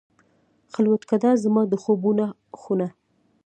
خلوتکده، زما د خوبونو خونه